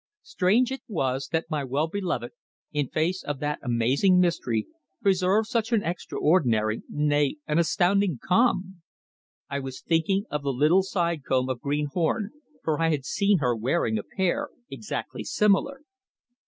Strange it was that my well beloved, in face of that amazing mystery, preserved such an extraordinary, nay, an astounding, calm. I was thinking of the little side comb of green horn, for I had seen her wearing a pair exactly similar!